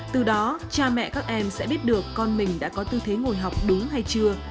từ đó cha mẹ các em sẽ biết được con mình đã có tư thế ngồi học đúng hay chưa